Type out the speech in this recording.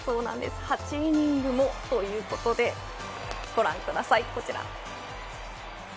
８イニングも、ということでご覧ください、こちら。